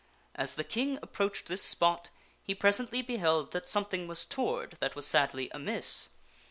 As the King approached this spot, he presently beheld that something was toward that was sadly amiss.